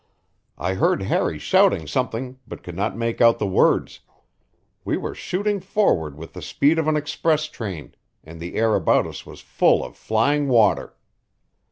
I heard Harry shouting something, but could not make out the words; we were shooting forward with the speed of an express train and the air about us was full of flying water.